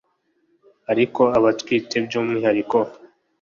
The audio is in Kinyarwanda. ariko abatwite by’umwihariko